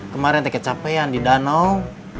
kemaren teh kecapean di danau